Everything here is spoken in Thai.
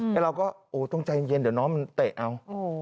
แล้วเราก็โอ้ต้องใจเย็นเดี๋ยวน้องมันเตะเอา